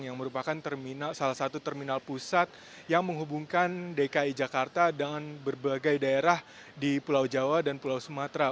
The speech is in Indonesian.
yang merupakan salah satu terminal pusat yang menghubungkan dki jakarta dengan berbagai daerah di pulau jawa dan pulau sumatera